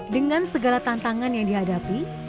dengan segala tantangan yang dihadapi